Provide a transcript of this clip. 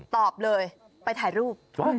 ตอบเลยไปถ่ายรูป